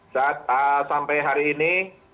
saat sampai hari ini